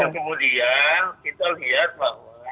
dan kemudian kita lihat bahwa